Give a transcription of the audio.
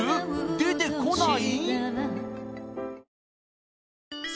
出てこない？